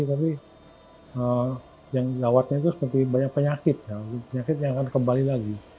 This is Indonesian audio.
tapi yang dirawatnya itu seperti banyak penyakit yang akan kembali lagi